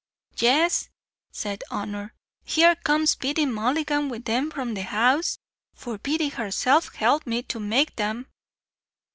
"Yes," said Honor; "here comes Biddy Mulligan with them from the house, for Biddy herself helped me to make them."